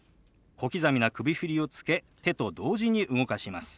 小刻みな首振りをつけ手と同時に動かします。